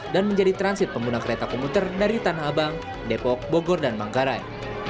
dan menjadi transit pengguna kereta komuter dari tanah abang depok bogor dan manggaran